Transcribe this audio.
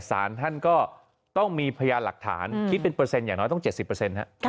ศาลท่านก็ต้องมีพยายามหลักฐานคิดเป็นเปอร์เซ็นต์อย่างน้อยต้อง๗๐เปอร์เซ็นต์นะครับ